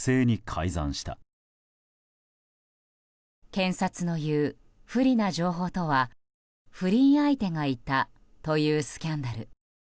検察のいう不利な情報とは不倫相手がいたというスキャンダル。